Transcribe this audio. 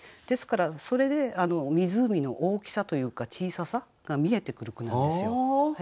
ですからそれで湖の大きさというか小ささが見えてくる句なんですよ。